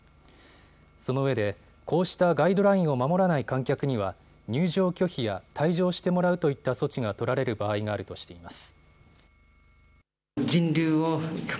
そのうえで、こうしたガイドラインを守らない観客には入場拒否や、退場してもらうといった措置が取られる場合があるとしています。